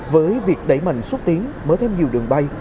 với việc đẩy mạnh xúc tiến mở thêm nhiều đường bay